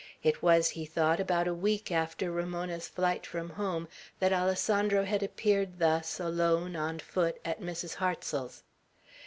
It was, he thought, about a week after Ramona's flight from home that Alessandro had appeared thus, alone, on foot, at Mrs. Hartsel's.